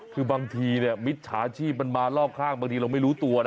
คือบางทีมิจฉาชีพมันมารอบข้างบางทีเราไม่รู้ตัวนะ